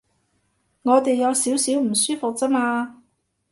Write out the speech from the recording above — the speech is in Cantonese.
我哋有少少唔舒服啫嘛